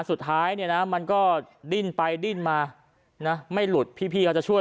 สุดท้ายเนี่ยนะมันก็ดิ้นไปดิ้นมานะไม่หลุดพี่เขาจะช่วย